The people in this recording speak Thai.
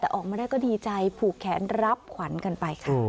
แต่ออกมาได้ก็ดีใจผูกแขนรับขวัญกันไปค่ะ